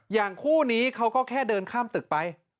คู่นี้เขาก็แค่เดินข้ามตึกไป